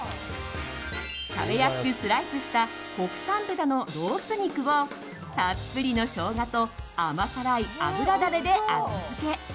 食べやすくスライスした国産豚のロース肉をたっぷりのショウガと甘辛い油ダレで味づけ。